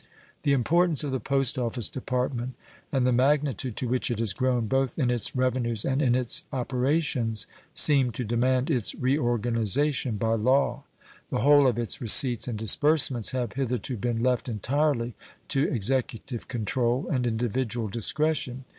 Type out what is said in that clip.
The importance of the Post Office Department and the magnitude to which it has grown, both in its revenues and in its operations, seem to demand its reorganization by law. The whole of its receipts and disbursements have hitherto been left entirely to Executive control and individual discretion.